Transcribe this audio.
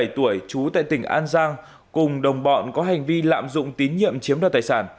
hai mươi tuổi trú tại tỉnh an giang cùng đồng bọn có hành vi lạm dụng tín nhiệm chiếm đoạt tài sản